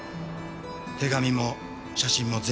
手紙も写真も全部。